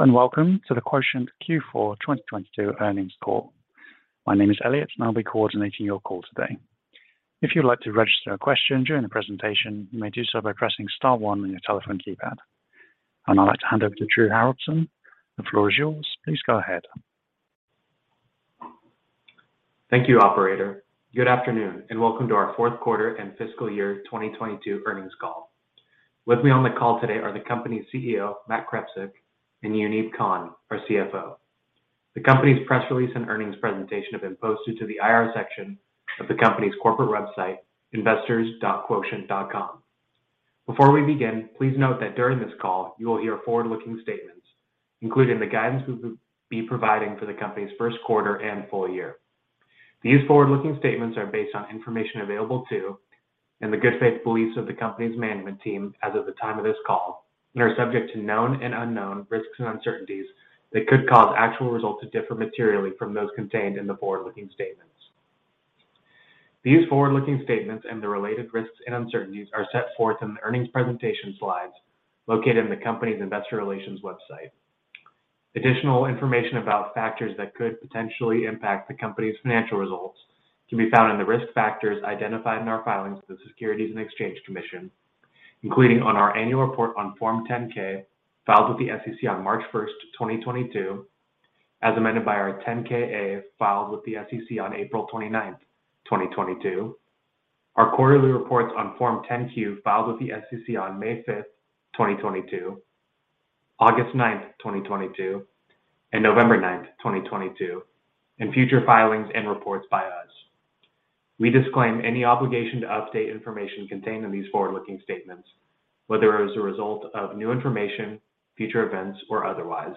Hello and welcome to the Quotient Q4 2022 earnings call. My name is Elliot, and I'll be coordinating your call today. If you'd like to register a question during the presentation, you may do so by pressing star one on your telephone keypad. I'd like to hand over to Drew Haroldson. The floor is yours. Please go ahead. Thank you, operator. Good afternoon, welcome to our 4th quarter and fiscal year 2022 earnings call. With me on the call today are the company's CEO, Matt Krepsik, and Yuneeb Khan, our CFO. The company's press release and earnings presentation have been posted to the IR section of the company's corporate website, investors.quotient.com. Before we begin, please note that during this call you will hear forward-looking statements, including the guidance we will be providing for the company's 1st quarter and full year. These forward-looking statements are based on information available to and the good faith beliefs of the company's management team as of the time of this call and are subject to known and unknown risks and uncertainties that could cause actual results to differ materially from those contained in the forward-looking statements. These forward-looking statements and the related risks and uncertainties are set forth in the earnings presentation slides located in the company's investor relations website. Additional information about factors that could potentially impact the company's financial results can be found in the risk factors identified in our filings with the Securities and Exchange Commission, including on our annual report on Form 10-K filed with the SEC on March 1, 2022, as amended by our 10-K/A filed with the SEC on April 29, 2022, our quarterly reports on Form 10-Q filed with the SEC on May 5, 2022, August 9, 2022, and November 9, 2022, and future filings and reports by us. We disclaim any obligation to update information contained in these forward-looking statements, whether as a result of new information, future events, or otherwise.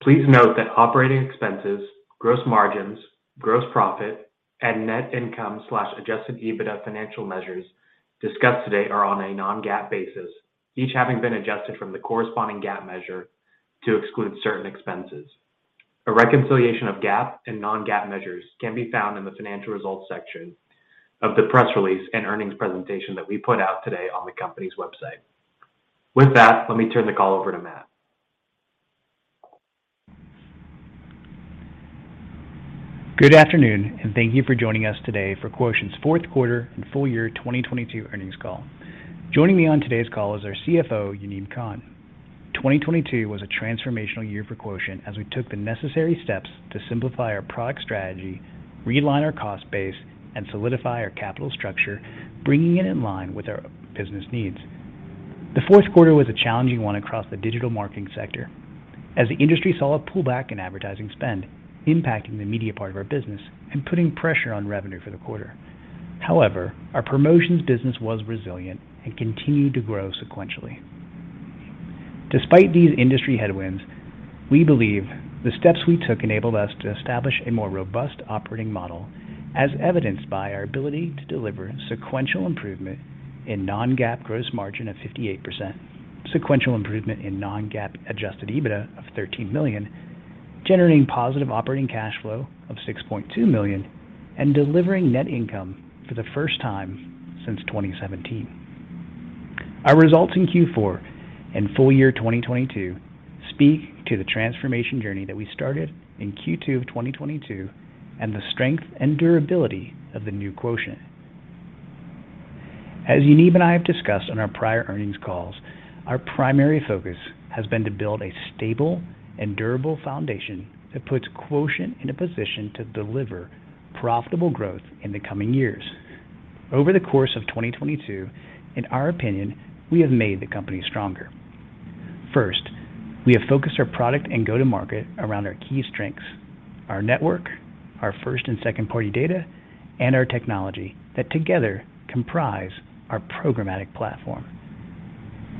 Please note that operating expenses, gross margins, gross profit, and net income/Adjusted EBITDA financial measures discussed today are on a Non-GAAP basis, each having been adjusted from the corresponding GAAP measure to exclude certain expenses. A reconciliation of GAAP and Non-GAAP measures can be found in the financial results section of the press release and earnings presentation that we put out today on the company's website. With that, let me turn the call over to Matt. Good afternoon, thank you for joining us today for Quotient's fourth quarter and full year 2022 earnings call. Joining me on today's call is our CFO, Yuneeb Khan. 2022 was a transformational year for Quotient as we took the necessary steps to simplify our product strategy, realign our cost base, and solidify our capital structure, bringing it in line with our business needs. The fourth quarter was a challenging one across the digital marketing sector as the industry saw a pullback in advertising spend, impacting the media part of our business and putting pressure on revenue for the quarter. Our promotions business was resilient and continued to grow sequentially. Despite these industry headwinds, we believe the steps we took enabled us to establish a more robust operating model, as evidenced by our ability to deliver sequential improvement in Non-GAAP gross margin of 58%, sequential improvement in Non-GAAP Adjusted EBITDA of $13 million, generating positive operating cash flow of $6.2 million, and delivering net income for the first time since 2017. Our results in Q4 and full year 2022 speak to the transformation journey that we started in Q2 of 2022, and the strength and durability of the new Quotient. As Yuneeb and I have discussed on our prior earnings calls, our primary focus has been to build a stable and durable foundation that puts Quotient in a position to deliver profitable growth in the coming years. Over the course of 2022, in our opinion, we have made the company stronger. First, we have focused our product and go-to-market around our key strengths: our network, our first and second-party data, and our technology that together comprise our programmatic platform.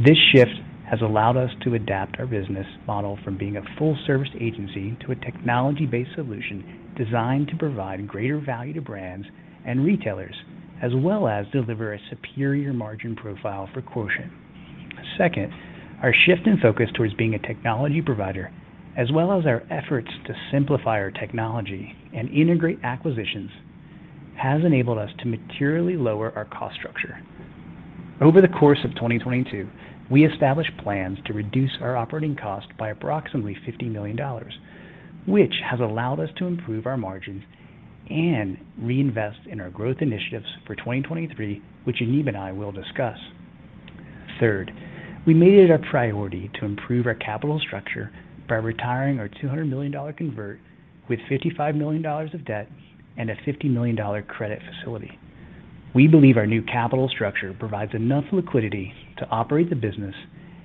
This shift has allowed us to adapt our business model from being a full service agency to a technology-based solution designed to provide greater value to brands and retailers, as well as deliver a superior margin profile for Quotient. Second, our shift in focus towards being a technology provider, as well as our efforts to simplify our technology and integrate acquisitions, has enabled us to materially lower our cost structure. Over the course of 2022, we established plans to reduce our operating cost by approximately $50 million, which has allowed us to improve our margins and reinvest in our growth initiatives for 2023, which Yuneeb and I will discuss. Third, we made it our priority to improve our capital structure by retiring our $200 million convert with $55 million of debt and a $50 million credit facility. We believe our new capital structure provides enough liquidity to operate the business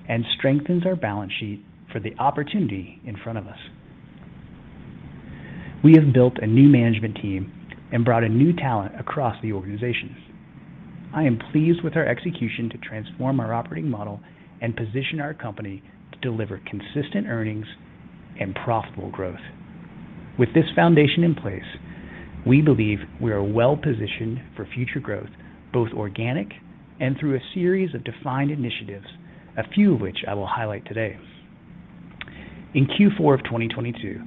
and strengthens our balance sheet for the opportunity in front of us. We have built a new management team and brought in new talent across the organization. I am pleased with our execution to transform our operating model and position our company to deliver consistent earnings and profitable growth. With this foundation in place, we believe we are well positioned for future growth, both organic and through a series of defined initiatives, a few of which I will highlight today. In Q4 2022,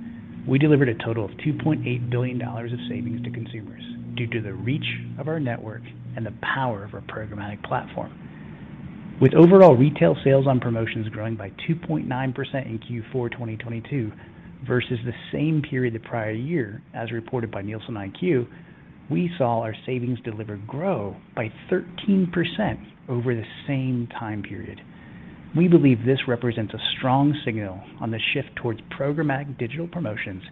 we delivered a total of $2.8 billion of savings to consumers due to the reach of our network and the power of our programmatic platform. With overall retail sales on promotions growing by 2.9% in Q4 2022 versus the same period the prior year, as reported by NielsenIQ, we saw our savings delivered grow by 13% over the same time period. We believe this represents a strong signal on the shift towards programmatic digital promotions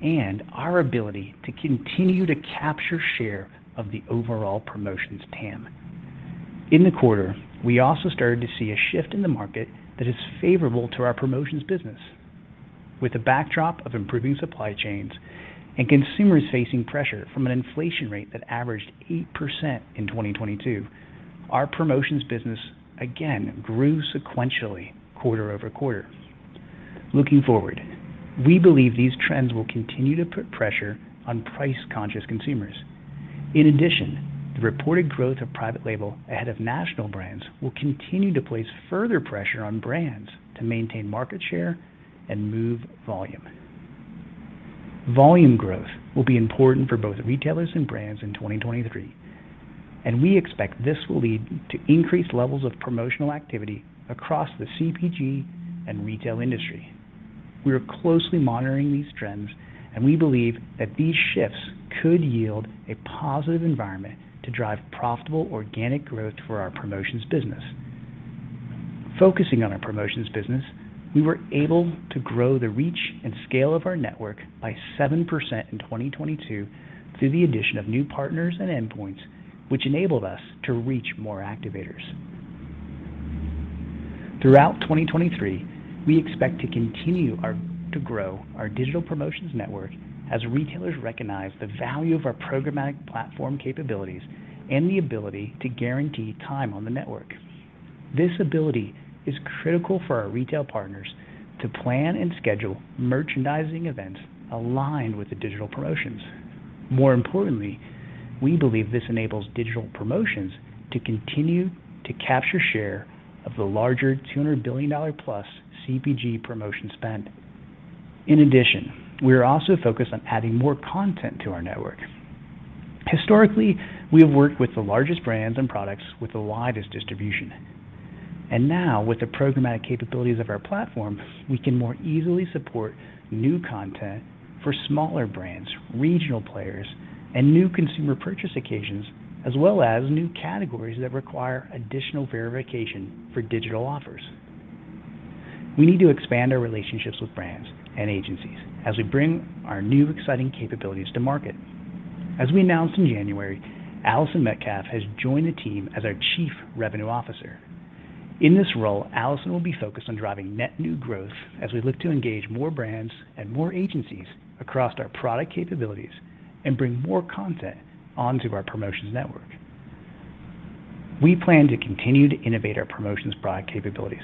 and our ability to continue to capture share of the overall promotions TAM. In the quarter, we also started to see a shift in the market that is favorable to our promotions business. With the backdrop of improving supply chains and consumers facing pressure from an inflation rate that averaged 8% in 2022, our promotions business again grew sequentially quarter-over-quarter. Looking forward, we believe these trends will continue to put pressure on price-conscious consumers. In addition, the reported growth of private label ahead of national brands will continue to place further pressure on brands to maintain market share and move volume. Volume growth will be important for both retailers and brands in 2023. We expect this will lead to increased levels of promotional activity across the CPG and retail industry. We are closely monitoring these trends. We believe that these shifts could yield a positive environment to drive profitable organic growth for our promotions business. Focusing on our promotions business, we were able to grow the reach and scale of our network by 7% in 2022 through the addition of new partners and endpoints, which enabled us to reach more activators. Throughout 2023, we expect to continue to grow our digital promotions network as retailers recognize the value of our programmatic platform capabilities and the ability to guarantee time on the network. This ability is critical for our retail partners to plan and schedule merchandising events aligned with the digital promotions. More importantly, we believe this enables digital promotions to continue to capture share of the larger $200 billion plus CPG promotion spend. In addition, we are also focused on adding more content to our network. Historically, we have worked with the largest brands and products with the widest distribution. Now with the programmatic capabilities of our platform, we can more easily support new content for smaller brands, regional players, and new consumer purchase occasions, as well as new categories that require additional verification for digital offers. We need to expand our relationships with brands and agencies as we bring our new exciting capabilities to market. As we announced in January, Allison Metcalfe has joined the team as our Chief Revenue Officer. In this role, Allison will be focused on driving net new growth as we look to engage more brands and more agencies across our product capabilities and bring more content onto our promotions network. We plan to continue to innovate our promotions product capabilities.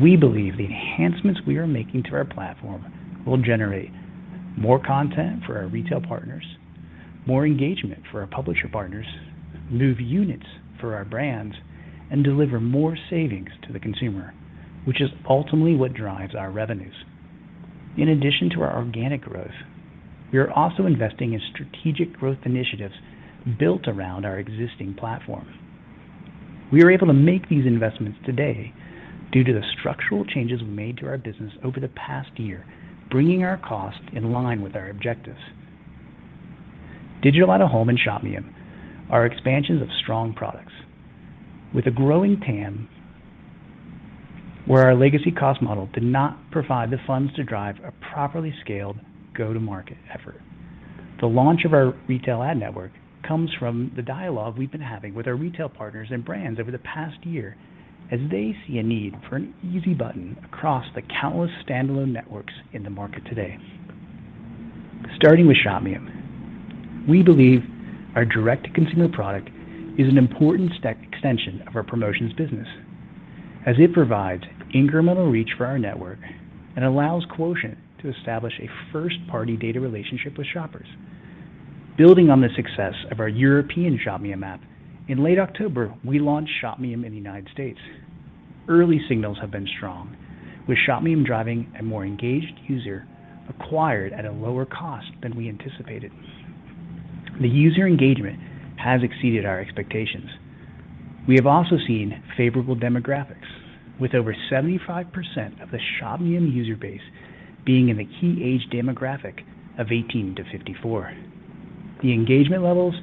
We believe the enhancements we are making to our platform will generate more content for our retail partners, more engagement for our publisher partners, move units for our brands, and deliver more savings to the consumer, which is ultimately what drives our revenues. In addition to our organic growth, we are also investing in strategic growth initiatives built around our existing platforms. We are able to make these investments today due to the structural changes we made to our business over the past year, bringing our cost in line with our objectives. Digital out-of-home and Shopmium are expansions of strong products. With a growing TAM, where our legacy cost model did not provide the funds to drive a properly scaled go-to-market effort. The launch of our Retail Ad Network comes from the dialogue we've been having with our retail partners and brands over the past year as they see a need for an easy button across the countless standalone networks in the market today. Starting with Shopmium, we believe our direct-to-consumer product is an important extension of our promotions business, as it provides incremental reach for our network and allows Quotient to establish a first-party data relationship with shoppers. Building on the success of our European Shopmium app, in late October, we launched Shopmium in the United States. Early signals have been strong, with Shopmium driving a more engaged user acquired at a lower cost than we anticipated. The user engagement has exceeded our expectations. We have also seen favorable demographics, with over 75% of the Shopmium user base being in the key age demographic of 18 to 54. The engagement levels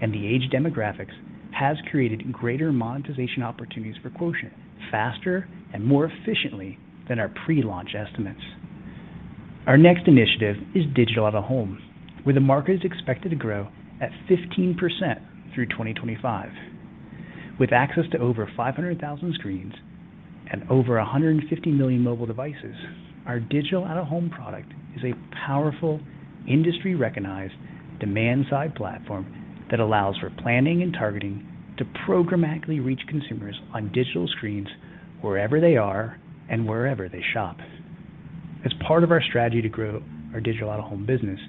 and the age demographics has created greater monetization opportunities for Quotient faster and more efficiently than our pre-launch estimates. Our next initiative is digital out-of-home, where the market is expected to grow at 15% through 2025. With access to over 500,000 screens and over 150 million mobile devices, our digital out-of-home product is a powerful, industry-recognized demand-side platform that allows for planning and targeting to programmatically reach consumers on digital screens wherever they are and wherever they shop. As part of our strategy to grow our digital out-of-home business,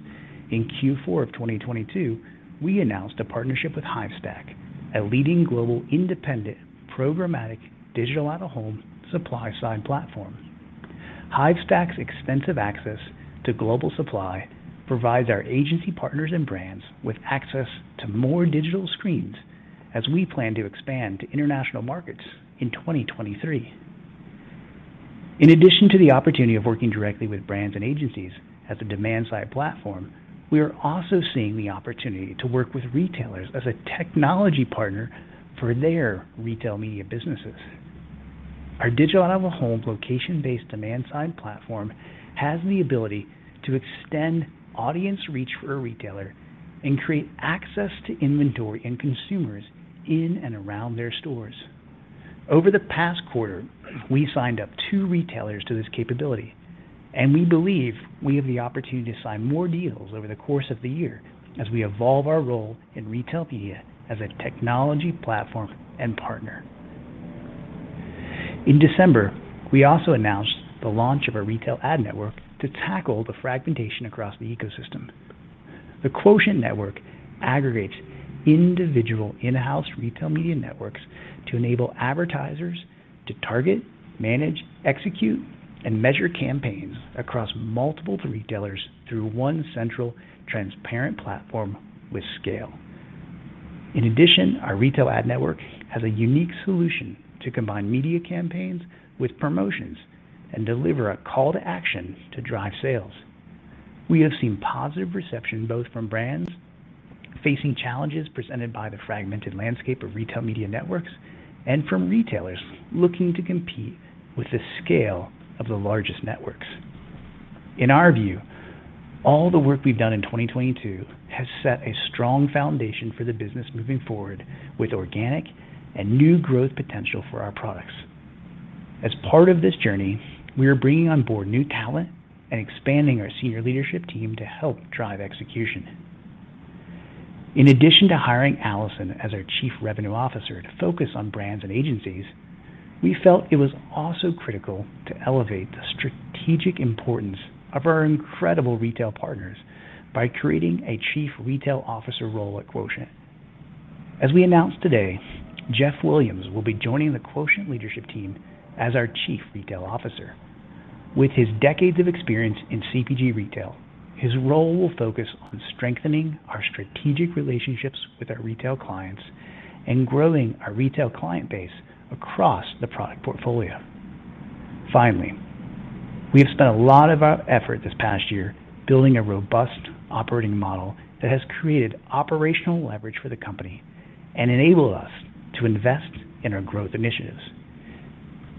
in Q4 of 2022, we announced a partnership with Hivestack, a leading global independent programmatic digital out-of-home supply-side platform. Hivestack's extensive access to global supply provides our agency partners and brands with access to more digital screens as we plan to expand to international markets in 2023. In addition to the opportunity of working directly with brands and agencies as a demand-side platform, we are also seeing the opportunity to work with retailers as a technology partner for their retail media businesses. Our digital out-of-home location-based demand-side platform has the ability to extend audience reach for a retailer and create access to inventory and consumers in and around their stores. Over the past quarter, we signed up two retailers to this capability, and we believe we have the opportunity to sign more deals over the course of the year as we evolve our role in retail media as a technology platform and partner. In December, we also announced the launch of a Retail Ad Network to tackle the fragmentation across the ecosystem. The Retail Ad Network aggregates individual in-house retail media networks to enable advertisers to target, manage, execute, and measure campaigns across multiple retailers through one central transparent platform with scale. In addition, our Retail Ad Network has a unique solution to combine media campaigns with promotions and deliver a call to action to drive sales. We have seen positive reception, both from brands facing challenges presented by the fragmented landscape of retail media networks and from retailers looking to compete with the scale of the largest networks. In our view, all the work we've done in 2022 has set a strong foundation for the business moving forward with organic and new growth potential for our products. As part of this journey, we are bringing on board new talent and expanding our senior leadership team to help drive execution. In addition to hiring Allison as our Chief Revenue Officer to focus on brands and agencies, we felt it was also critical to elevate the strategic importance of our incredible retail partners by creating a Chief Retail Officer role at Quotient. As we announced today, Jeff Williams will be joining the Quotient leadership team as our Chief Retail Officer. With his decades of experience in CPG retail, his role will focus on strengthening our strategic relationships with our retail clients and growing our retail client base across the product portfolio. Finally, we have spent a lot of our effort this past year building a robust operating model that has created operational leverage for the company and enabled us to invest in our growth initiatives.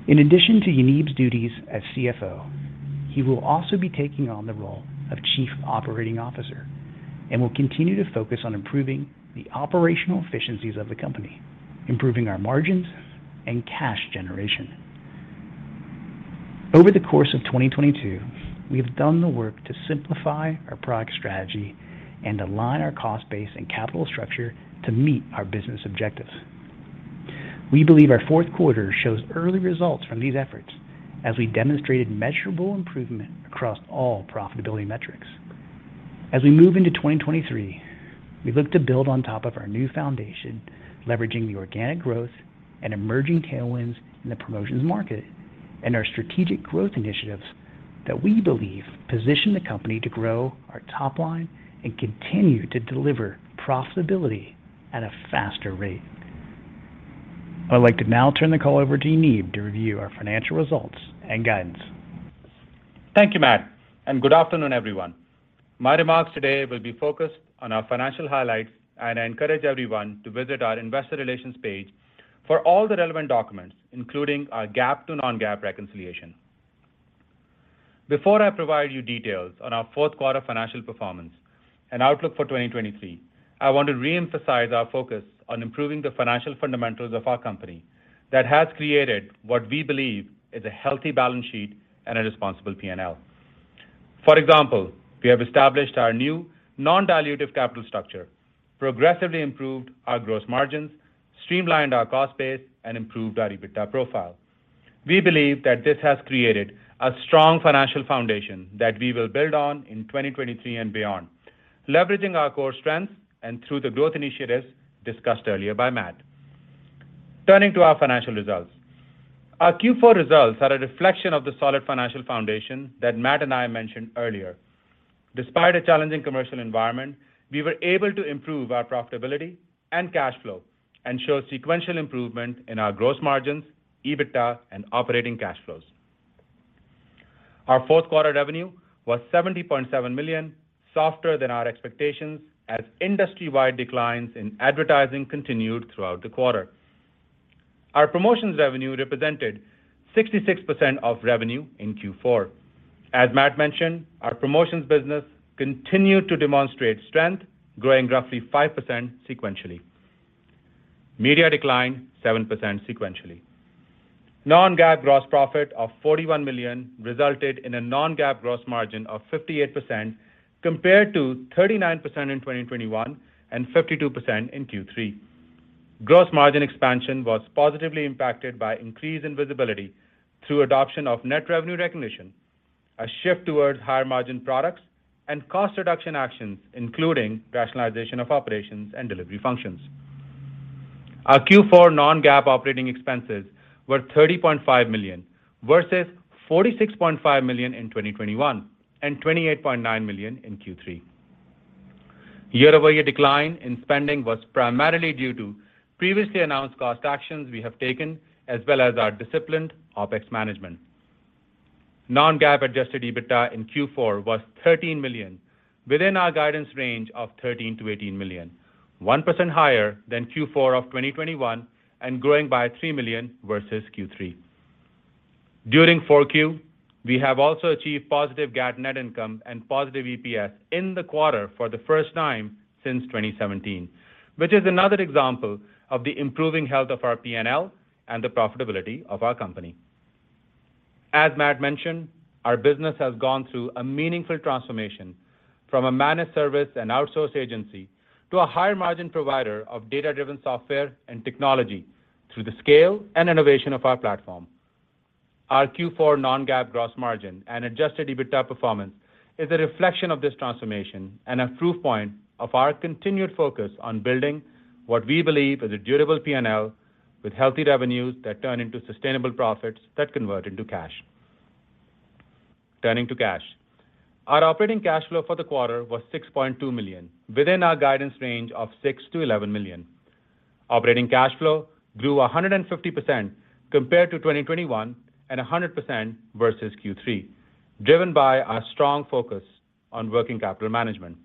In addition to Yuneeb's duties as CFO, he will also be taking on the role of chief operating officer and will continue to focus on improving the operational efficiencies of the company, improving our margins and cash generation. Over the course of 2022, we have done the work to simplify our product strategy and align our cost base and capital structure to meet our business objectives. We believe our fourth quarter shows early results from these efforts as we demonstrated measurable improvement across all profitability metrics. As we move into 2023, we look to build on top of our new foundation, leveraging the organic growth and emerging tailwinds in the promotions market and our strategic growth initiatives that we believe position the company to grow our top line and continue to deliver profitability at a faster rate. I'd like to now turn the call over to Yuneeb to review our financial results and guidance. Thank you, Matt, and good afternoon, everyone. My remarks today will be focused on our financial highlights, and I encourage everyone to visit our investor relations page for all the relevant documents, including our GAAP to Non-GAAP reconciliation. Before I provide you details on our fourth quarter financial performance and outlook for 2023, I want to reemphasize our focus on improving the financial fundamentals of our company that has created what we believe is a healthy balance sheet and a responsible P&L. For example, we have established our new non-dilutive capital structure, progressively improved our gross margins, streamlined our cost base, and improved our EBITDA profile. We believe that this has created a strong financial foundation that we will build on in 2023 and beyond, leveraging our core strengths and through the growth initiatives discussed earlier by Matt. Turning to our financial results. Our Q4 results are a reflection of the solid financial foundation that Matt and I mentioned earlier. Despite a challenging commercial environment, we were able to improve our profitability and cash flow and show sequential improvement in our gross margins, EBITDA, and operating cash flows. Our fourth quarter revenue was $70.7 million, softer than our expectations as industry-wide declines in advertising continued throughout the quarter. Our promotions revenue represented 66% of revenue in Q4. As Matt mentioned, our promotions business continued to demonstrate strength, growing roughly 5% sequentially. Media declined 7% sequentially. Non-GAAP gross profit of $41 million resulted in a Non-GAAP gross margin of 58% compared to 39% in 2021 and 52% in Q3. Gross margin expansion was positively impacted by increase in visibility through adoption of net revenue recognition, a shift towards higher margin products, and cost reduction actions, including rationalization of operations and delivery functions. Our Q4 Non-GAAP operating expenses were $30.5 million vs. $46.5 million in 2021 and $28.9 million in Q3. Year-over-year decline in spending was primarily due to previously announced cost actions we have taken, as well as our disciplined OpEx management. Non-GAAP Adjusted EBITDA in Q4 was $13 million, within our guidance range of $13 million-$18 million, 1% higher than Q4 of 2021 and growing by $3 million versus Q3. During 4Q, we have also achieved positive GAAP net income and positive EPS in the quarter for the first time since 2017, which is another example of the improving health of our P&L and the profitability of our company. As Matt mentioned, our business has gone through a meaningful transformation from a managed service and outsource agency to a higher margin provider of data-driven software and technology through the scale and innovation of our platform. Our Q4 Non-GAAP gross margin and Adjusted EBITDA performance is a reflection of this transformation and a proof point of our continued focus on building what we believe is a durable P&L with healthy revenues that turn into sustainable profits that convert into cash. Turning to cash. Our operating cash flow for the quarter was $6.2 million, within our guidance range of $6 million-$11 million. Operating cash flow grew 150% compared to 2021 and 100% versus Q3, driven by our strong focus on working capital management.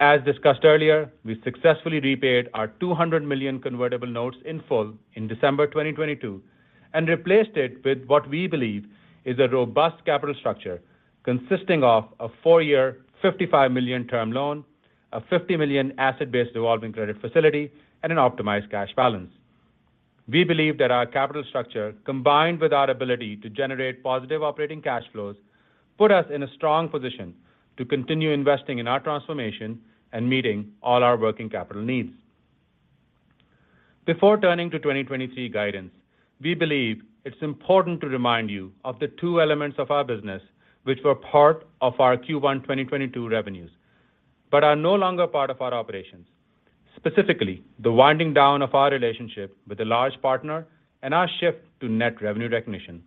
As discussed earlier, we successfully repaid our $200 million convertible notes in full in December 2022 and replaced it with what we believe is a robust capital structure consisting of a four-year $55 million term loan, a $50 million asset-based revolving credit facility, and an optimized cash balance. We believe that our capital structure, combined with our ability to generate positive operating cash flows, put us in a strong position to continue investing in our transformation and meeting all our working capital needs. Before turning to 2023 guidance, we believe it's important to remind you of the two elements of our business which were part of our Q1 2022 revenues but are no longer part of our operations. Specifically, the winding down of our relationship with a large partner and our shift to net revenue recognition.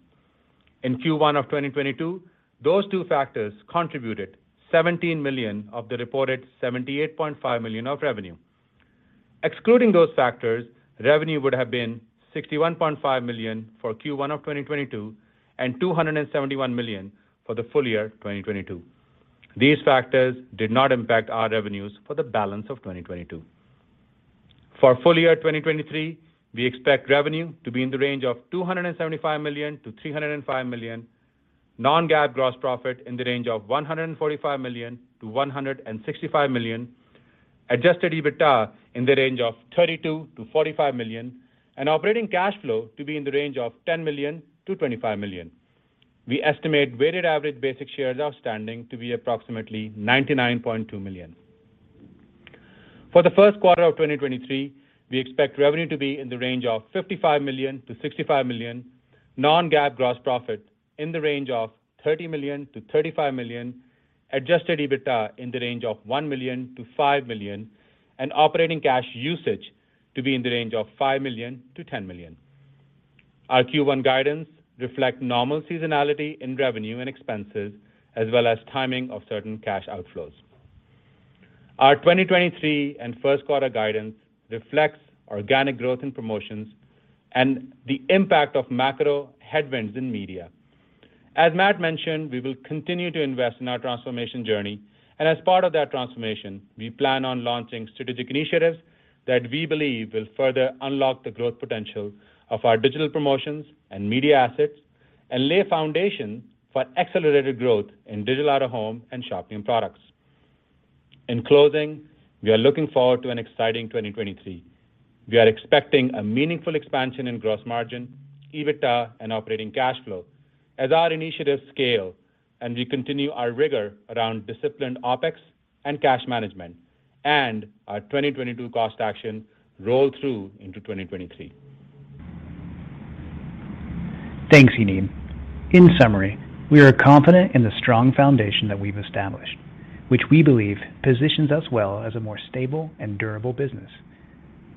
In Q1 of 2022, those two factors contributed $17 million of the reported $78.5 million of revenue. Excluding those factors, revenue would have been $61.5 million for Q1 of 2022 and $271 million for the full year 2022. These factors did not impact our revenues for the balance of 2022. For full year 2023, we expect revenue to be in the range of $275 million-$305 million, Non-GAAP gross profit in the range of $145 million-$165 million, Adjusted EBITDA in the range of $32 million-$45 million, and operating cash flow to be in the range of $10 million-$25 million. We estimate weighted average basic shares outstanding to be approximately 99.2 million. For the first quarter of 2023, we expect revenue to be in the range of $55 million-$65 million, Non-GAAP gross profit in the range of $30 million-$35 million, Adjusted EBITDA in the range of $1 million-$5 million, and operating cash usage to be in the range of $5 million-$10 million. Our Q1 guidance reflect normal seasonality in revenue and expenses, as well as timing of certain cash outflows. Our 2023 and first quarter guidance reflects organic growth in promotions and the impact of macro headwinds in media. As Matt mentioned, we will continue to invest in our transformation journey, and as part of that transformation, we plan on launching strategic initiatives that we believe will further unlock the growth potential of our digital promotions and media assets and lay a foundation for accelerated growth in digital out-of-home and shopping products. In closing, we are looking forward to an exciting 2023. We are expecting a meaningful expansion in gross margin, EBITDA, and operating cash flow as our initiatives scale and we continue our rigor around disciplined OpEx and cash management and our 2022 cost action roll through into 2023. Thanks, Yuneeb. In summary, we are confident in the strong foundation that we've established, which we believe positions us well as a more stable and durable business.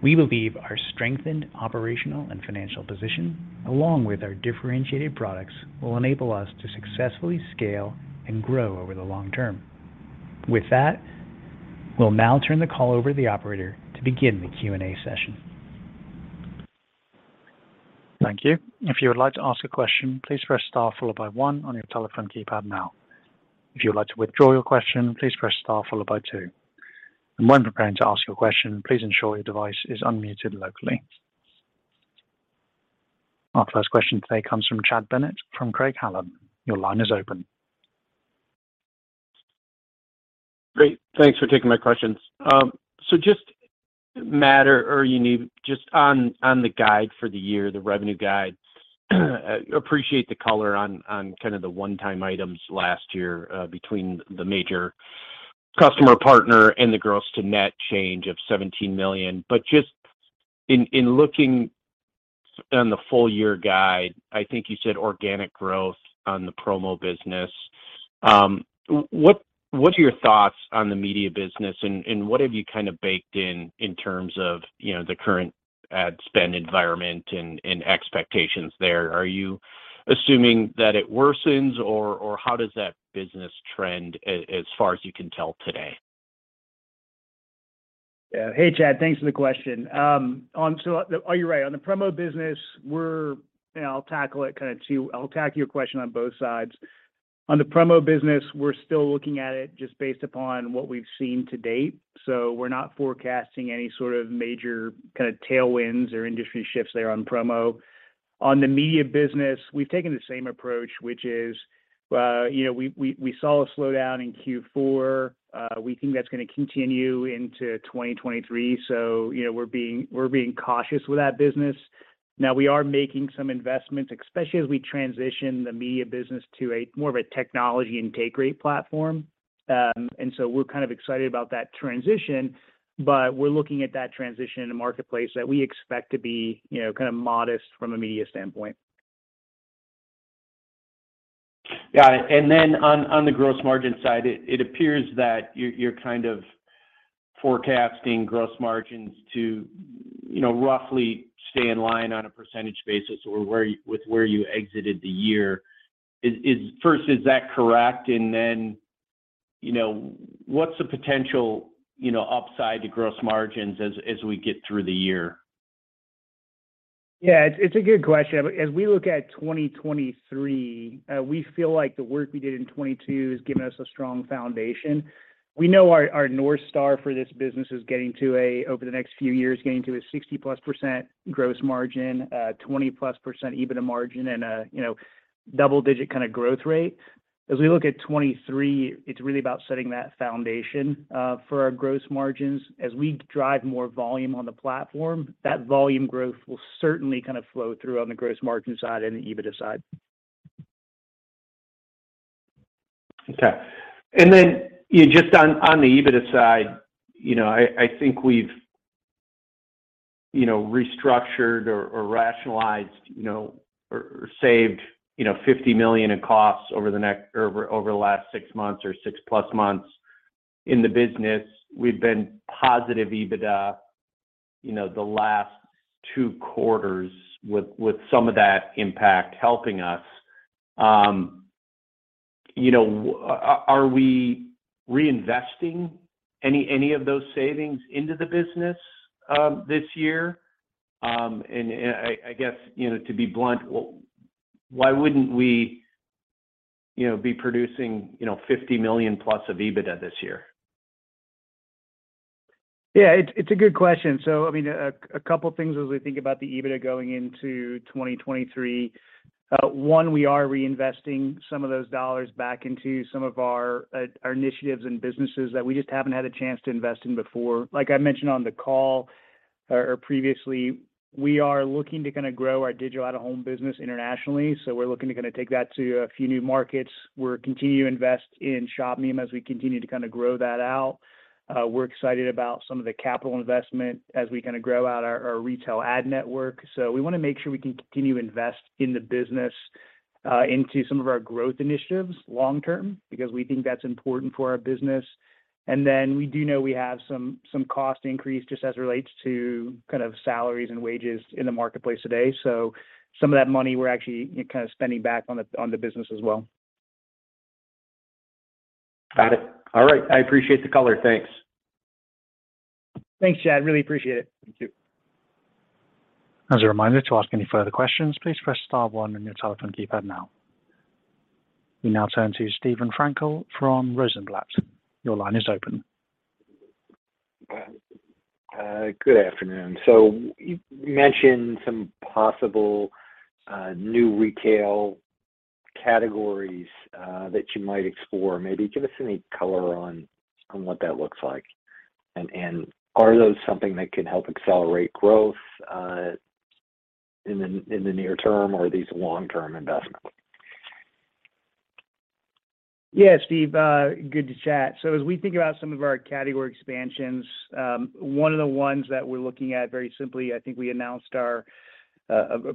We believe our strengthened operational and financial position, along with our differentiated products, will enable us to successfully scale and grow over the long term. With that, we'll now turn the call over to the operator to begin the Q&A session. Thank you. If you would like to ask a question, please press star followed by one on your telephone keypad now. If you would like to withdraw your question, please press star followed by two. When preparing to ask your question, please ensure your device is unmuted locally. Our first question today comes from Chad Bennett from Craig-Hallum. Your line is open. Great. Thanks for taking my questions. Just Matt or Yuneeb, just on the guide for the year, the revenue guide. Appreciate the color on kind of the one-time items last year, between the major customer partner and the gross to net change of $17 million. Just in looking On the full year guide, I think you said organic growth on the promo business. What are your thoughts on the media business and what have you kind of baked in in terms of, you know, the current ad spend environment and expectations there? Are you assuming that it worsens or how does that business trend as far as you can tell today? Yeah. Hey Chad, thanks for the question. You're right. On the promo business, we're. You know, I'll tackle your question on both sides. On the promo business, we're still looking at it just based upon what we've seen to date. We're not forecasting any sort of major kind of tailwinds or industry shifts there on promo. On the media business, we've taken the same approach, which is, you know, we saw a slowdown in Q4. We think that's gonna continue into 2023. You know, we're being cautious with that business. Now, we are making some investments, especially as we transition the media business to a more of a technology integrate platform. We're kind of excited about that transition, but we're looking at that transition in a marketplace that we expect to be, you know, kind of modest from a media standpoint. Got it. On the gross margin side, it appears that you're kind of forecasting gross margins to, you know, roughly stay in line on a percentage basis or with where you exited the year. First, is that correct? You know, what's the potential, you know, upside to gross margins as we get through the year? Yeah. It's a good question. We look at 2023, we feel like the work we did in 2022 has given us a strong foundation. We know our north star for this business is getting to over the next few years, getting to a 60+% gross margin, 20+% EBITDA margin, you know, double digit kind of growth rate. We look at 2023, it's really about setting that foundation for our gross margins. We drive more volume on the platform, that volume growth will certainly kind of flow through on the gross margin side and the EBITDA side. Okay. You know, just on the EBITDA side, you know, I think we've, you know, restructured or rationalized, you know, or saved, you know, $50 million in costs over the last 6 months or 6+ months in the business. We've been positive EBITDA, you know, the last two quarters with some of that impact helping us. You know, Are we reinvesting any of those savings into the business this year? I guess, you know, to be blunt, why wouldn't we, you know, be producing, you know, $50 million+ of EBITDA this year? Yeah. It's a good question. I mean, a couple things as we think about the EBITDA going into 2023. One, we are reinvesting some of those dollars back into some of our initiatives and businesses that we just haven't had a chance to invest in before. Like I mentioned on the call or previously, we are looking to kind of grow our digital out-of-home business internationally. We're looking to kind of take that to a few new markets. We're continuing to invest in Shopmium as we continue to kind of grow that out. We're excited about some of the capital investment as we kind of grow out our Retail Ad Network. We wanna make sure we can continue to invest in the business into some of our growth initiatives long term, because we think that's important for our business. We do know we have some cost increase just as it relates to kind of salaries and wages in the marketplace today. Some of that money we're actually kind of spending back on the business as well. Got it. All right. I appreciate the color. Thanks. Thanks, Chad, really appreciate it. Thank you. As a reminder, to ask any further questions, please press star one on your telephone keypad now. We now turn to Steven Frankel from Rosenblatt. Your line is open. Good afternoon. You mentioned some possible new retail categories that you might explore. Maybe give us any color on what that looks like. Are those something that can help accelerate growth in the near term, or are these long-term investments? Yeah, Steven. Good to chat. As we think about some of our category expansions, one of the ones that we're looking at very simply, I think we announced our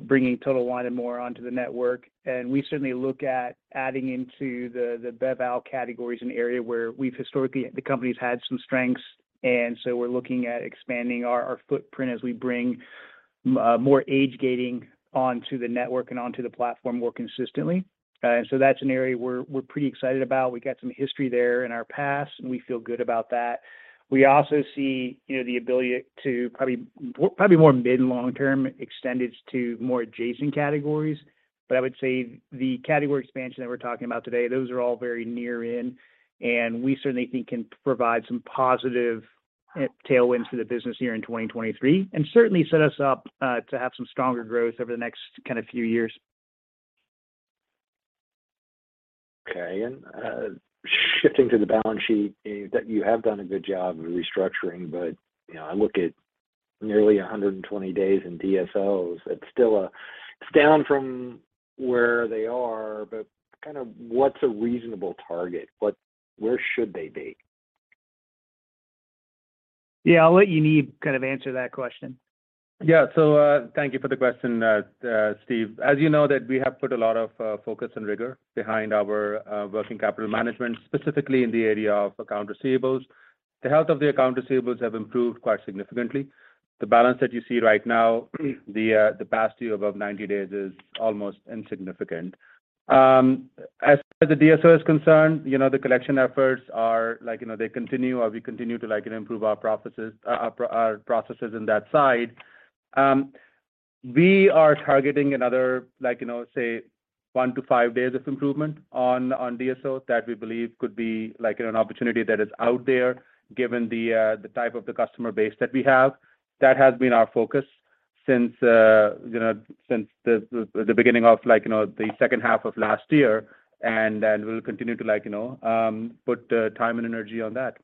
bringing Total Wine & More onto the network, and we certainly look at adding into the beverage alcohol category as an area where we've historically, the company's had some strengths. We're looking at expanding our footprint as we bring more age gating onto the network and onto the platform more consistently. That's an area we're pretty excited about. We got some history there in our past, and we feel good about that. We also see, you know, the ability to probably more mid and long term extendage to more adjacent categories. I would say the category expansion that we're talking about today, those are all very near in, and we certainly think can provide some positive tailwinds to the business here in 2023, and certainly set us up to have some stronger growth over the next kind of few years. Okay. Shifting to the balance sheet, Steve, that you have done a good job of restructuring. You know, I look at nearly 120 days in DSOs. It's still down from where they are, but kind of what's a reasonable target? Where should they be? Yeah, I'll let Yuneeb kind of answer that question. Yeah. Thank you for the question, Steve. As you know that we have put a lot of focus and rigor behind our working capital management- Yeah... specifically in the area of accounts receivable. The health of the accounts receivable has improved quite significantly. The balance that you see right now, the past due above 90 days is almost insignificant. As the DSO is concerned, you know, the collection efforts are, like, you know, they continue or we continue to, like, improve our processes, our processes in that side. We are targeting another, like, you know, say 1 to 5 days of improvement on DSO that we believe could be like an opportunity that is out there given the type of the customer base that we have. That has been our focus since, you know, since the beginning of like, you know, the second half of last year. We'll continue to like, you know, put time and energy on that.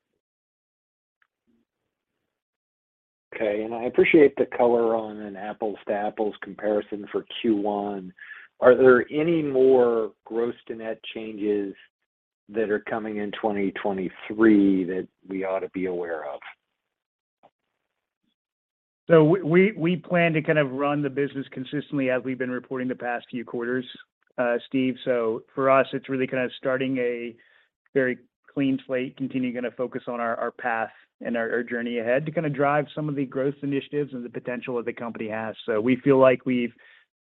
Okay. I appreciate the color on an apples to apples comparison for Q1. Are there any more gross to net changes that are coming in 2023 that we ought to be aware of? We plan to kind of run the business consistently as we've been reporting the past few quarters, Steve. For us, it's really kind of starting a very clean slate, continuing to focus on our path and our journey ahead to kind of drive some of the growth initiatives and the potential that the company has. We feel like we've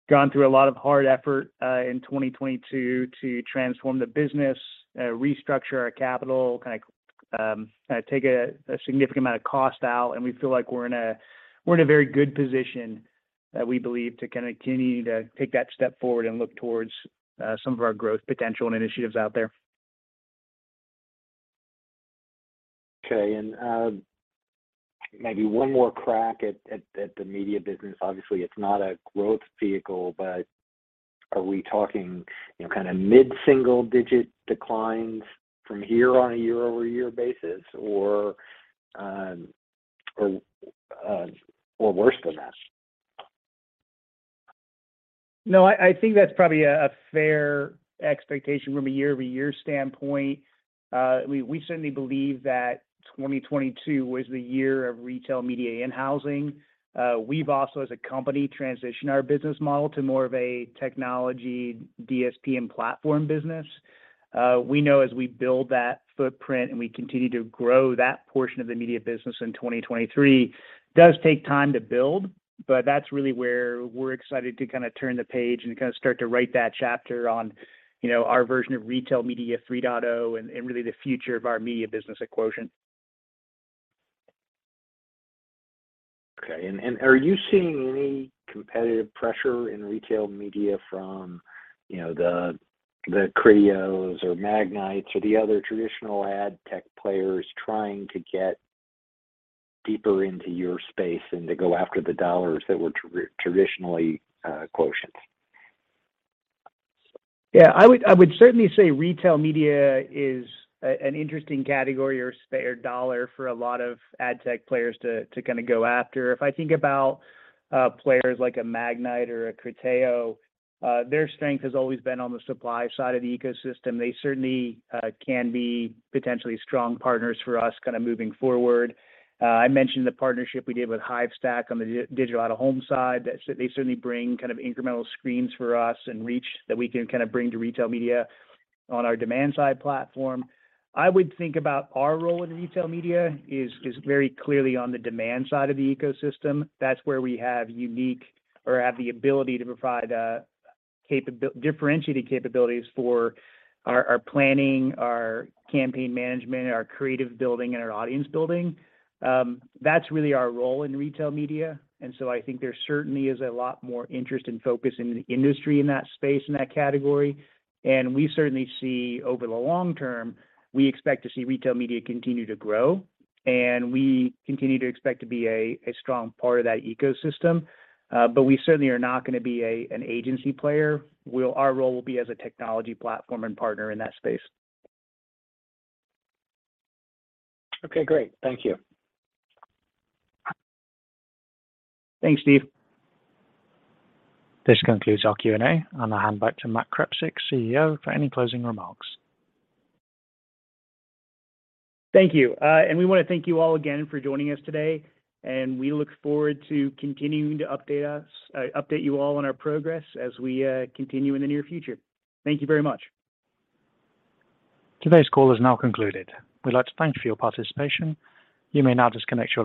gone through a lot of hard effort in 2022 to transform the business, restructure our capital, kind of take a significant amount of cost out, and we feel like we're in a very good position, we believe to kind of continue to take that step forward and look towards some of our growth potential and initiatives out there. Okay. Maybe one more crack at the media business. Obviously, it's not a growth vehicle, but are we talking, you know, kinda mid-single-digit declines from here on a year-over-year basis or worse than that? No, I think that's probably a fair expectation from a year-over-year standpoint. We certainly believe that 2022 was the year of retail media in-housing. We've also as a company transitioned our business model to more of a technology DSP and platform business. We know as we build that footprint and we continue to grow that portion of the media business in 2023 does take time to build, but that's really where we're excited to kinda turn the page and kinda start to write that chapter on, you know, our version of Retail Media 3.0, and really the future of our media business at Quotient. Okay. Are you seeing any competitive pressure in retail media from, you know, the Criteos or Magnites or the other traditional ad tech players trying to get deeper into your space and to go after the dollars that were traditionally Quotient's? I would certainly say retail media is an interesting category or spare dollar for a lot of ad tech players to kinda go after. If I think about players like a Magnite or a Criteo, their strength has always been on the supply side of the ecosystem. They certainly can be potentially strong partners for us kinda moving forward. I mentioned the partnership we did with Hivestack on the digital out-of-home side that they certainly bring kind of incremental screens for us and reach that we can kinda bring to retail media on our demand-side platform. I would think about our role in retail media is very clearly on the demand side of the ecosystem. That's where we have unique or have the ability to provide differentiated capabilities for our planning, our campaign management, our creative building, and our audience building. I think there certainly is a lot more interest and focus in the industry in that space, in that category. We certainly see over the long term, we expect to see retail media continue to grow, and we continue to expect to be a strong part of that ecosystem. We certainly are not gonna be a, an agency player. Our role will be as a technology platform and partner in that space. Okay, great. Thank you. Thanks, Steve. This concludes our Q&A, and I'll hand back to Matt Krepsik, CEO, for any closing remarks. Thank you. We wanna thank you all again for joining us today, and we look forward to continuing to update you all on our progress as we continue in the near future. Thank you very much. Today's call is now concluded. We'd like to thank you for your participation. You may now disconnect your